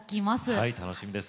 はい楽しみです。